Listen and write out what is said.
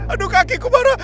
aduh kakiku barah